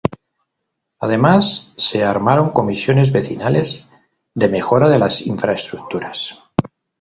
Además se armaron comisiones vecinales de mejora de las infraestructuras.